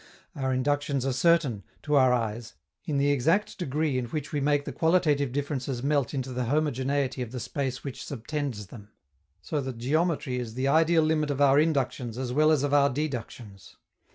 Our inductions are certain, to our eyes, in the exact degree in which we make the qualitative differences melt into the homogeneity of the space which subtends them, so that geometry is the ideal limit of our inductions as well as of our deductions.